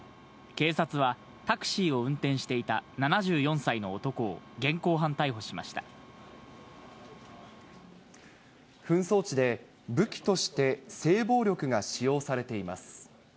警察はタクシーを運転していた７４歳の男を現行犯逮捕しまし紛争地で武器として性暴力が使用されています。